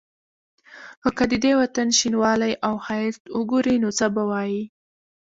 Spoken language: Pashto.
خو که د دې وطن شینوالی او ښایست وګوري نو څه به وايي.